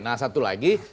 nah satu lagi